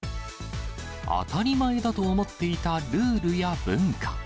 当たり前だと思っていたルールや文化。